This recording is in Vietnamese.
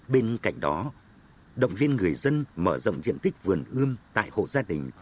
bên cạnh đó động viên người dân mở rộng diện tích vườn ươm tại hộ gia đình